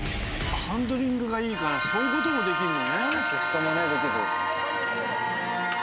ハンドリングがいいからそういうこともできるのね。